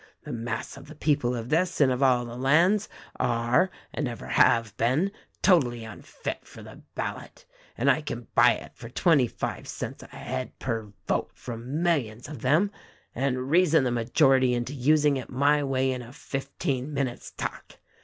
The mass of the people of this and of all lands are and ever have been totally unfit for the ballot, and I can buy it for twenty five cents a head per vote from millions of them, and reason the majority into using it my way in a fifteen minute's talk.